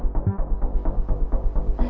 aku gak boleh kecewain pak raka